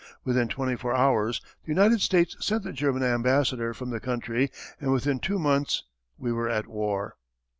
Within twenty four hours the United States sent the German Ambassador from the country and within two months we were at war.